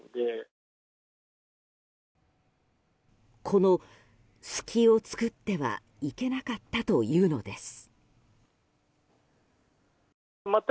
この隙を作ってはいけなかったというのです。